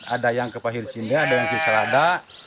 ada yang ke pahir sini ada yang ke serada